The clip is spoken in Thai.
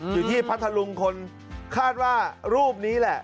อยู่ที่พัทลุงคนคาดว่ารูปนี้แหละ